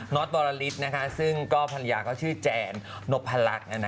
น๊อตวอลลาริสซึ่งภรรยาก็ชื่อแจนนพลักษณ์